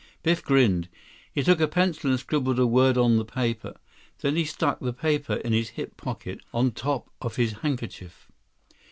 Biff grinned. He took a pencil and scribbled a word on the paper. Then he stuck the paper in his hip pocket, on top of his handkerchief.